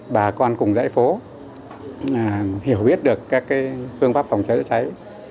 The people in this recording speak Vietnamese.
bà con cùng dãy phố hiểu biết được các phương pháp phòng cháy chữa cháy